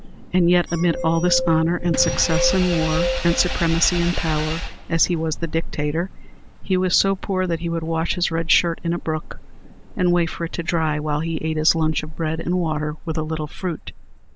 And yet amid all this honor and success in war, and supremacy in power, as he was the Dictator, he was so poor that he would wash his red shirt in a brook, and wait for it to dry while he ate his lunch of bread and water, with a little fruit.